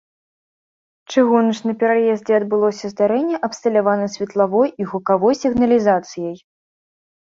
Чыгуначны пераезд, дзе адбылося здарэнне, абсталяваны светлавой і гукавой сігналізацыяй.